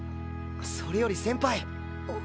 それより先輩。